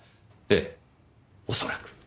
ええ恐らく。